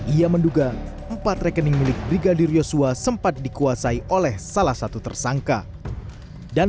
ia menduga empat rekening milik brigadir yosua sempat dikuasai oleh salah satu tersangka dan